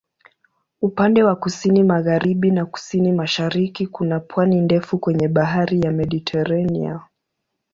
Upande wa kusini-magharibi na kusini-mashariki kuna pwani ndefu kwenye Bahari ya Mediteranea.